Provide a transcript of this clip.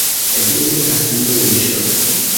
Ĝi estas muŝo.